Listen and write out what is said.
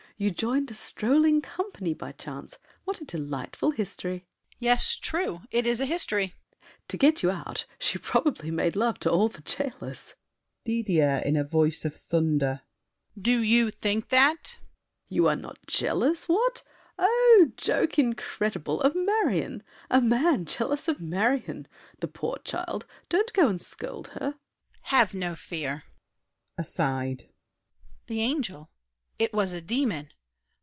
You joined a strolling company by chance; What a delightful history! DIDIER. Yes, true It is a history! SAVERNY. To get you out She probably made love to all the jailers. DIDIER (in a voice of thunder). Do you think that? SAVERNY. You are not jealous—what? Oh, joke incredible!—of Marion! A man jealous of Marion! The poor child! Don't go and scold her! DIDIER. Have no fear. [Aside.] The angel— It was a demon!